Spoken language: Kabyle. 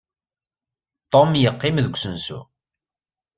Tum yeqqim deg usensu.